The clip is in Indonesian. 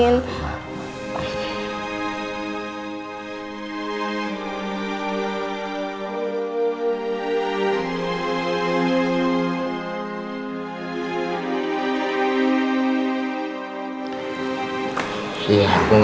jangan menganggap d klaritasilas